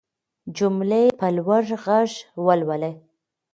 جملې په لوړ غږ ولولئ.